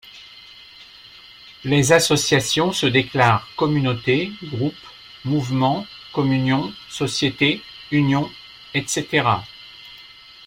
Les associations se déclarent ‘communauté’, ‘groupe’, 'mouvement’, ‘communion’, ‘société’, ‘union’, etc.